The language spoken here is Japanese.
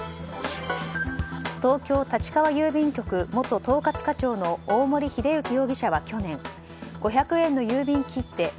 東京・立川郵便局元統括課長の大森秀之容疑者は去年５００円の郵便切手